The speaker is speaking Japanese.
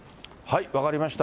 分かりました。